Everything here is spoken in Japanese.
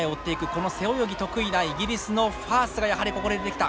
この背泳ぎ得意なイギリスのファースがやはりここで出てきた。